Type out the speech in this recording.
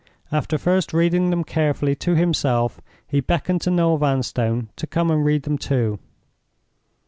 After first reading them carefully to himself, he beckoned to Noel Vanstone to come and read them too.